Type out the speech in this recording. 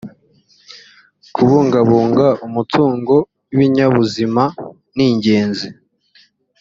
kubungabunga umutungo w ibinyabuzima ningenzi